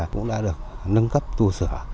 cũng đã được nâng cấp tua sửa